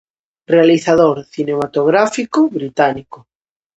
Realizador cinematográfico británico.